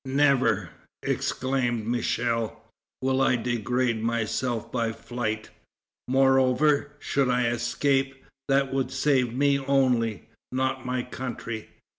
"Never," exclaimed Michel, "will I degrade myself by flight. Moreover, should I escape, that would save me only, not my country.